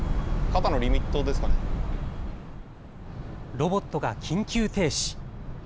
ロボットが緊急停止。